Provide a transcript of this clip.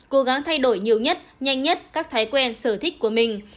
cố gắng thay đổi nhiều nhất nhanh nhất các thói quen sở thích của mình